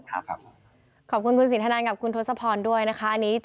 ขอบคุณคุณสินทนันกับคุณทศพรด้วยนะคะ